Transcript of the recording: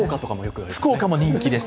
福岡も人気です。